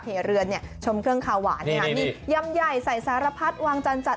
ข้างบัวแห่งสันยินดีต้อนรับทุกท่านนะครับ